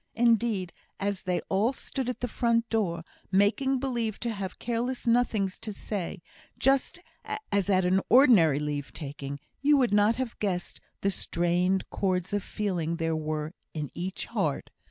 Indeed, as they all stood at the front door, making believe to have careless nothings to say, just as at an ordinary leave taking, you would not have guessed the strained chords of feeling there were in each heart.